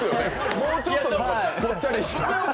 もうちょっとぽっちゃりした？